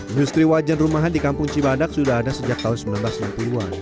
industri wajan rumahan di kampung cibadak sudah ada sejak tahun seribu sembilan ratus enam puluh an